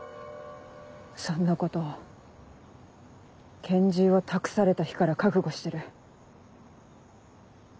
そんなこと拳銃を託された日から覚悟してる。